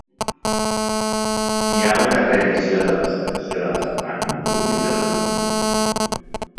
Hi ha una re-emissió de la "selecció de la setmana" el diumenge al matí.